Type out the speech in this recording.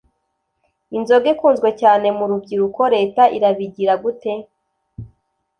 Inzoga ikunzwe cyane mu rubyiruko, leta irabigira gute .